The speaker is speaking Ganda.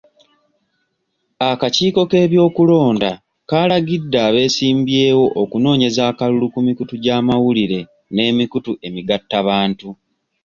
Akakiiko k'ebyokulonda kaalagidde abeesimbyewo okunoonyeza akalulu ku mikutu gy'amawulire n'emikutu emigattabantu..